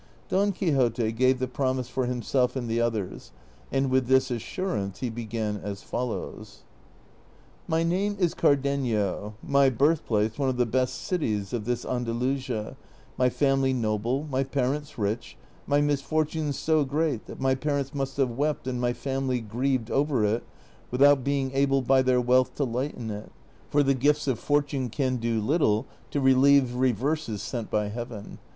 Don Quixote gave the promise for himself and the others, and with this assurance he began as foUoAvs : My name is C'ardenio, my birthplace one of the best cities of this Andakisia,' my family noljle, my parents rich, my misfortune so great that my ])arents must have Avept and my family grieved over 5. Avithout being able by their wealth to lighten it; for the gifts of fortune can do little to relieve reverses sent by Heaven.